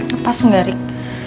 lepas gak rik